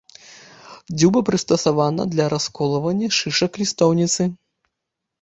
Дзюба прыстасавана для расколвання шышак лістоўніцы.